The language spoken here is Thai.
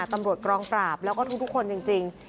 ตำรวจกองปราบแล้วก็ทุกคนจริง